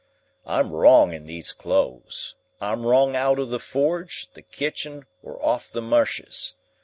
I'm wrong in these clothes. I'm wrong out of the forge, the kitchen, or off th' meshes.